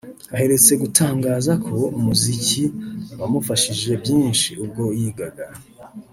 Aherutse gutangaza ko umuziki wamufashije byinshi ubwo yigaga